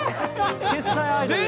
決済アイドルや。